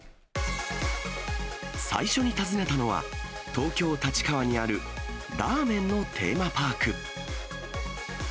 最初に訪ねたのは、東京・立川にあるラーメンのテーマパーク。